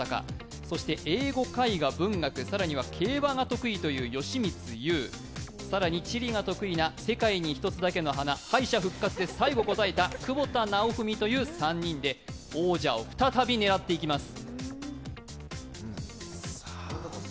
そして英語、絵画、文学、更には競馬が得意という吉光由更に地理が得意な「世界に一つだけの花」、敗者復活で最後答えた久保田尚文という３人で王者を再び狙っていきます。